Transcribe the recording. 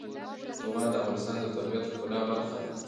زغال د افغانستان د طبیعت د ښکلا برخه ده.